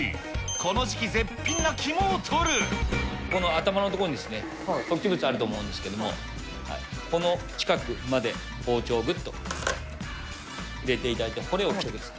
この時期、この頭の所に、突起物あると思うんですけども、この近くまで包丁をぐっと、入れていただいて、骨を切ってください。